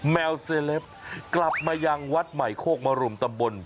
แมวเซเลปกลับมายังวัดใหม่โคกมรุมตำบล